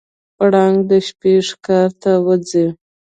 پړانګ د شپې ښکار ته وځي.